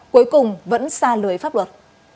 cuối cùng vẫn xa lưới pháp luật